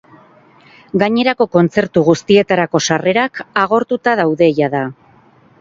Gainerako kontzertu guztietarako sarrerak agortuta daude jada.